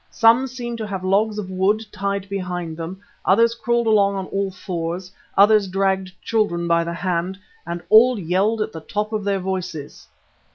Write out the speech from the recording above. Some seemed to have logs of wood tied behind them, others crawled along on all fours, others dragged children by the hand, and all yelled at the top of their voices.